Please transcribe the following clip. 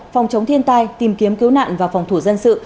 phòng chống thiên tai tìm kiếm cứu nạn và phòng thủ dân sự